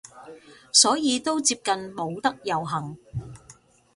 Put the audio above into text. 所以都接近冇得遊行